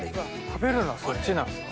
食べるのはそっちなんですか？